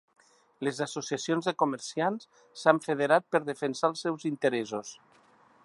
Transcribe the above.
Les associacions de comerciants s'han federat per defensar els seus interessos.